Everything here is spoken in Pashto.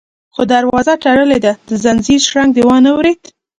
_خو دروازه تړلې ده، د ځنځير شرنګ دې وانه ورېد؟